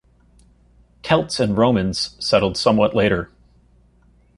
Celts and Romans settled somewhat later.